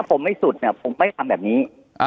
ผมไม่สุดเนี่ยผมไม่ทำแบบนี้